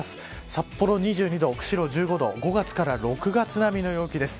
札幌２２度、釧路１５度５月から６月並みの陽気です。